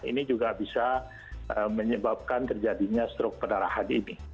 ini juga bisa menyebabkan terjadinya struk pendarahan ini